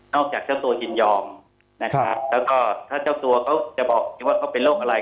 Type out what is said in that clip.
จากเจ้าตัวยินยอมนะครับแล้วก็ถ้าเจ้าตัวเขาจะบอกว่าเขาเป็นโรคอะไร